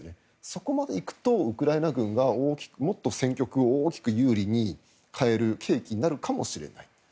そこまで行くとウクライナ軍がもっと戦局を大きく有利に変える契機になるかもしれない。